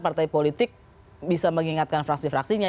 partai politik bisa mengingatkan fraksi fraksinya